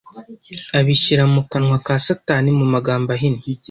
abishyira mu kanwa ka Satani. Mu magambo ahinnye